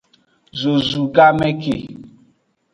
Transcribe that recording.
Zozu game ke.